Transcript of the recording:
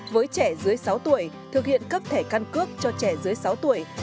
với trẻ dưới sáu tuổi thực hiện cấp thẻ căn cước cho trẻ dưới sáu tuổi